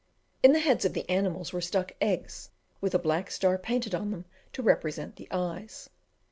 In the heads of the animals were stuck eggs, with a black star painted on them to represent the eyes.